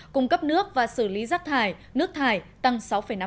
cung cấp nước và xử lý rác thải nước thải tăng sáu năm